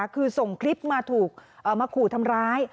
คือส่งคลิปมาถูกมาขู่ทำร้าย